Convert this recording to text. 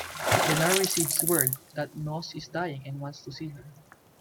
Tenar receives word that Moss is dying and wants to see her.